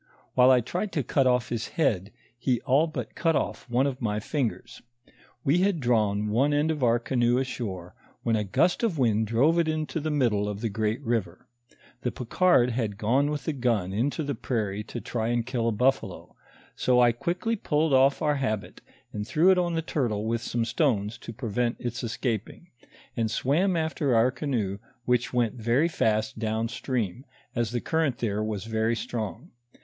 While I tried to cut off his head, he all but cut off one of my fingers. We had drawn one end of our canoe ashore, when a gust of wind drove it into the middle of the great river; the Picard had gone with the gun into the prairie to try and kill a buffalo ; so I quickly pulled off our habit, and threw it on the turtle with some stones to prevent its escaping, and Bwam after our canoe which went very fast down stream, as the current there was very strong.